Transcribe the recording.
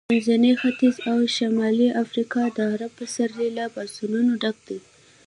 منځنی ختیځ او شمالي افریقا د عرب پسرلي له پاڅونونو ډک دي.